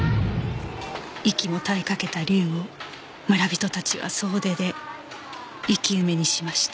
息も絶えかけた竜を村人たちは総出で生き埋めにしました